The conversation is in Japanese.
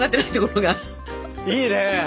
いいね。